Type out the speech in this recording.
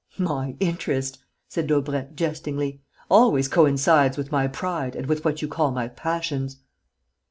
"My interest," said Daubrecq, jestingly, "always coincides with my pride and with what you call my passions."